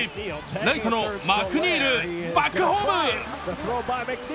ライトのマクニール、バックホーム。